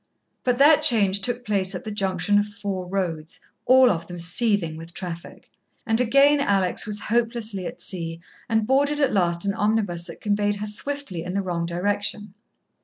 But that change took place at the junction of four roads, all of them seething with traffic. And again Alex was hopelessly at sea, and boarded at last an omnibus that conveyed her swiftly in the wrong direction.